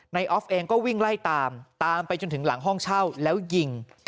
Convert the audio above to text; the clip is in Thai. ออฟเองก็วิ่งไล่ตามตามไปจนถึงหลังห้องเช่าแล้วยิง